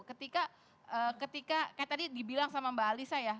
ketika kayak tadi dibilang sama mbak alisa ya